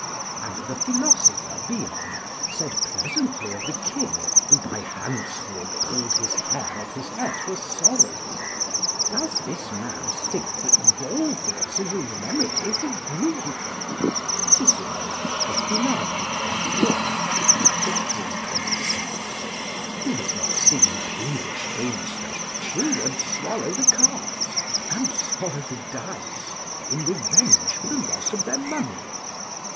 And the philosopher Bion said pleasantly of the king, who by handsful pulled his hair off his head for sorrow, "Does this man think that baldness is a remedy for grief?" [Cicero, Tusc. Quest., iii. 26.] Who has not seen peevish gamesters chew and swallow the cards, and swallow the dice, in revenge for the loss of their money?